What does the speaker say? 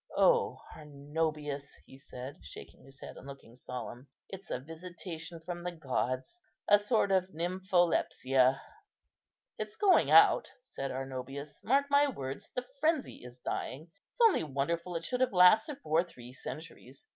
O Arnobius!" he said, shaking his head and looking solemn, "it's a visitation from the gods, a sort of nympholepsia." "It's going out," said Arnobius, "mark my words; the frenzy is dying. It's only wonderful it should have lasted for three centuries.